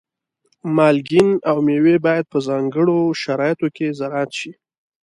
مالګین او مېوې باید په ځانګړو شرایطو کې زراعت شي.